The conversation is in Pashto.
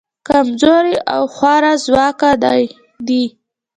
کمزوري او خوارځواکه دي.